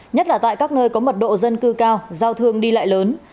nhất là tại các nơi có mật độ dân cư cao giao thương đi lại lớn